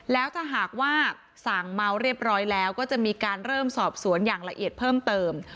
แล้วถ้าหากว่าสั่งเมาเรียบร้อยแล้วก็จะมีการเริ่มสอบสวนอย่างละเอียดเพิ่มเติม